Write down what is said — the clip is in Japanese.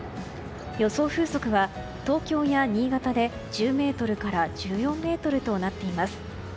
予想風速は東京や新潟で１０メートルから１４メートルとなっています。